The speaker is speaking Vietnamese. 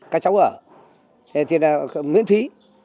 các cháu ở thì là miễn phí